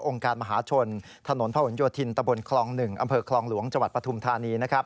องค์การมหาชนถนนพระอุณโยธินตะบลคลอง๑อำเภอคลองหลวงจปฐุมธานี